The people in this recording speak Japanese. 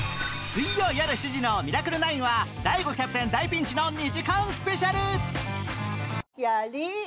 水曜よる７時の『ミラクル９』は ＤＡＩＧＯ キャプテン大ピンチの２時間スペシャル